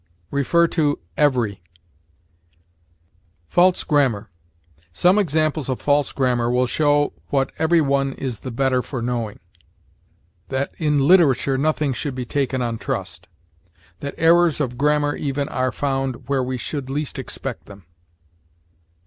See EVERY. FALSE GRAMMAR. Some examples of false grammar will show what every one is the better for knowing: that in literature nothing should be taken on trust; that errors of grammar even are found where we should least expect them.